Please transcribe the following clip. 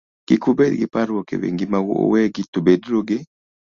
"Kik ubed gi parruok e wi ngimau uwegi, to beduru gi